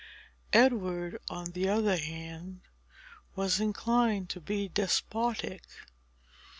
Edward, on the other hand, was inclined to be despotic.